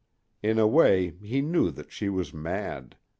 In a way he knew that she was mad.